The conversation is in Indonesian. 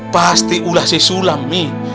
pasti ulasi sulam umi